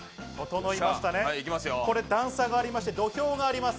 段差がありまして土俵があります。